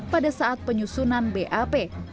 pada saat penyusunan bap